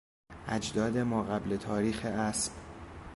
اجداد ماقبل تاریخ اسب